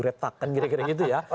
retakan kira kira gitu ya